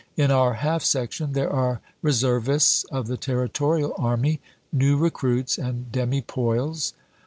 In our half section there are reservists of the Territorial Army, new recruits, and demi poils.